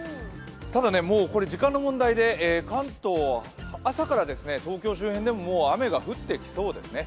ただこれ時間の問題で関東、朝から東京周辺でももう雨が降ってきそうですね。